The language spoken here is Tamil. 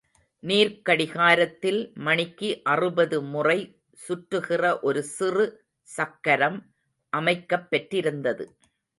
நீர்க் கடிகாரத்தில், மணிக்கு அறுபது முறை சுற்றுகிற ஒரு சிறு சக்கரம் அமைக்கப் பெற்றிருந்தது.